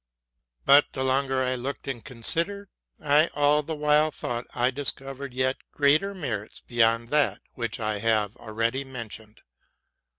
But the longer I looked and considered, I all the while thought I discovered yet greater merits beyond that which I have already mentioned.